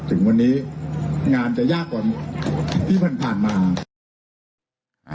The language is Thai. ถึงวันนี้งานจะยากกว่าที่ผ่านมา